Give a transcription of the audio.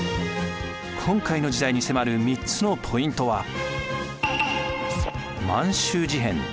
今回の時代に迫る３つのポイントは。